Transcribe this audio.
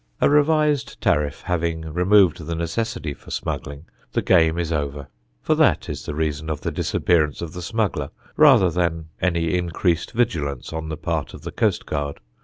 A revised tariff having removed the necessity for smuggling, the game is over; for that is the reason of the disappearance of the smuggler rather than any increased vigilance on the part of the coastguard.